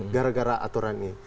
gara gara aturan ini